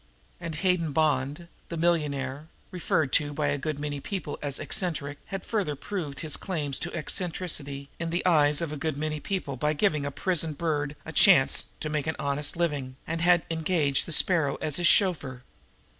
And Hayden Bond, the millionaire, referred to by a good many people as eccentric, had further proved his claims to eccentricity in the eyes of a good many people by giving a prison bird a chance to make an honest living, and had engaged the Sparrow as his chauffeur.